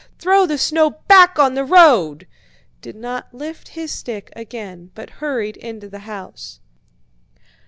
Throw the snow back on the road!" did not lift his stick again but hurried into the house.